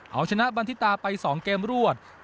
เอาชนะบันทิตาไป๒เกมรวด